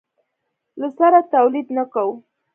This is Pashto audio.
له سره تولید نه کوو.